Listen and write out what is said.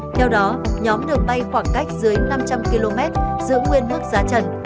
theo đó nhóm đường bay khoảng cách dưới năm trăm linh km giữa nguyên mức giá trần